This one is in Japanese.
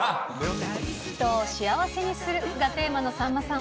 人を幸せにするがテーマのさんまさん。